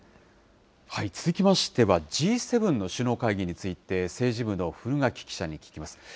続きましては、Ｇ７の首脳会議について、政治部の古垣記者に聞きます。